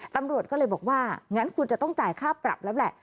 ตำรวจก็เลยบอกว่างั้นคุณจะต้องจ่ายค่าปรับแล้วแหละ